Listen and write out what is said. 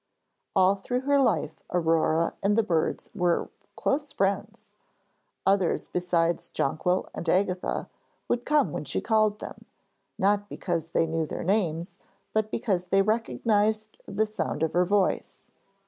All through her life Aurore and the birds around were close friends; others besides Jonquil and Agatha would come when she called them, not because they knew their names, but because they recognised the sound of her voice.